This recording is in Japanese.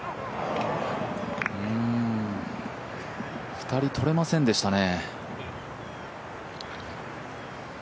２人、取れませんでしたね。